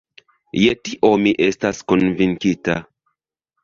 Je tio mi estas konvinkita.